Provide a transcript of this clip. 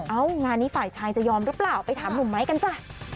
งานนี้ฝ่ายชายจะยอมหรือเปล่าไปถามหนุ่มไม้กันจ้ะ